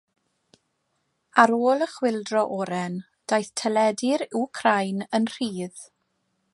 Ar ôl y Chwyldro Oren, daeth teledu'r Wcráin yn rhydd.